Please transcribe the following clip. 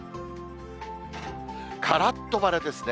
からっと晴れですね。